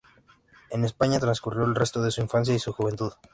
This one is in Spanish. En España, transcurrió el resto de su infancia y su juventud.